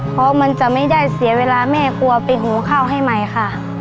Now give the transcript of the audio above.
เพราะมันจะไม่ได้เสียเวลาแม่กลัวไปหูข้าวให้ใหม่ค่ะ